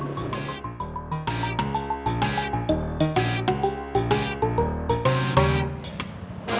nanti saya jalan jalan